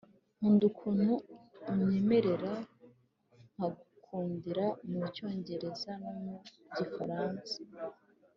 nkunda ukuntu unyemerera nkagukundira mucyongereza no mu gifaransa